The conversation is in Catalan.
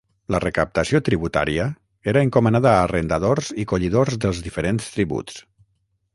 La recaptació tributària era encomanada a arrendadors i collidors dels diferents tributs.